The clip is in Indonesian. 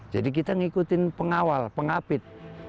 jadi kita ngikutin pengawal pengapit